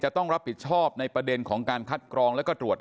ต้องรับผิดชอบในประเด็นของการคัดกรองแล้วก็ตรวจ